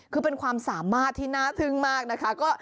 คือเป็นความสามารถที่น่าทึ่งมากนะคะ